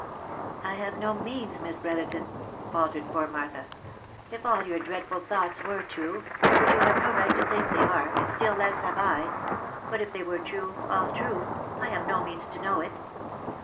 " I have no means, Miss Brotherton," faltered poor Martha. " If all your dreadful thoughts were true, which you have no right to think they are — and still less have I — but if they were true, all true, I have no means to know it."